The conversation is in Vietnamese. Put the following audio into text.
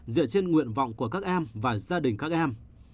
dựa trên nguyện vọng của các em và gia đình các em